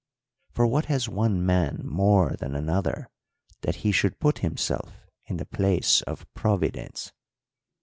For what has one man more than another that he should put himself in the place of Providence?